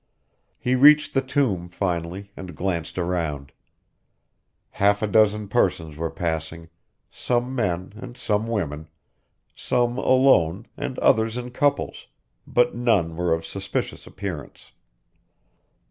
He reached the Tomb finally, and glanced around. Half a dozen persons were passing, some men and some women, some alone and others in couples, but none were of suspicious appearance.